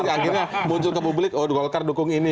akhirnya muncul ke publik oh golkar dukung ini